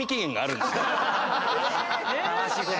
え！